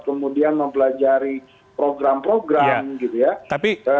kemudian mempelajari program program gitu ya